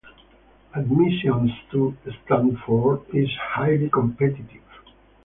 Admissions to Stanford is highly competitive.